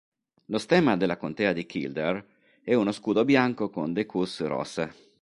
Lo stemma della contea di Kildare è un scudo bianco con decusse rossa.